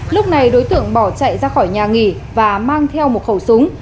lúc này đối tượng bỏ chạy ra khỏi nhà nghỉ và mang theo một khẩu súng